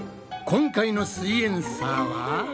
今回の「すイエんサー」は？